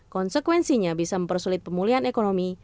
konsekuensinya bisa mempersulit pemulihan ekonomi